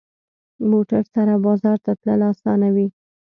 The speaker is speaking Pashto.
موټر سره بازار ته تلل اسانه وي.